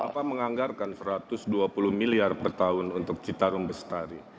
bapak menganggarkan satu ratus dua puluh miliar per tahun untuk citarum bestari